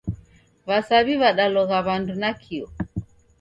W'asaw'i w'adalogha w'andu nakio